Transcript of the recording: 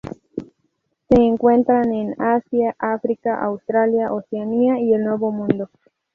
Se encuentran en Asia, África, Australia, Oceanía y el nuevo mundo.